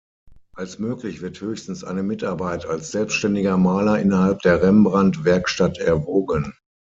Als möglich wird höchstens eine Mitarbeit als selbstständiger Maler innerhalb der Rembrandt-Werkstatt erwogen.